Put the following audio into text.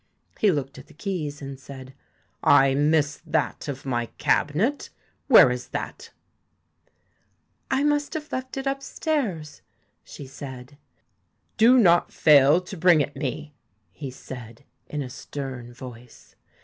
He looked at the keys and said: 'I miss that of my cabinet Where is that ?'' 1 must have left it upstairs,' she said. 'Do not fail to bring it me,' he said, in a stern voice.